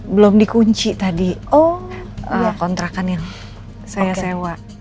belum dikunci tadi oh kontrakan yang saya sewa